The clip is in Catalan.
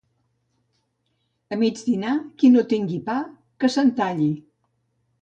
A mig dinar, qui no tingui pa, que se'n talli.